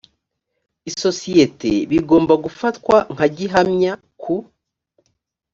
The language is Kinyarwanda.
isosiyete bigomba gufatwa nka gihamya ku